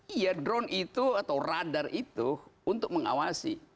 iya drone itu atau radar itu untuk mengawasi